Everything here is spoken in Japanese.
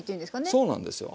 そうなんですよ。